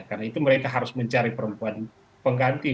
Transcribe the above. karena itu mereka harus mencari perempuan pengganti